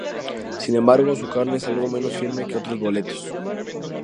Sin embargo, su carne es algo menos firme que otros boletos.